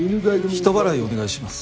人払いをお願いします。